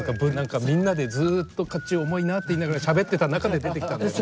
みんなでずっと甲冑重いなって言いながらしゃべってた中で出てきたんだよね。